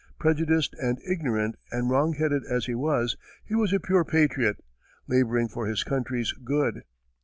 Prejudiced and ignorant and wrong headed as he was, he was a pure patriot, laboring for his country's good.